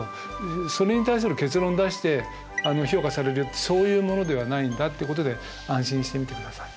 それに対する結論出して評価されるそういうものではないんだってことで安心してみてください。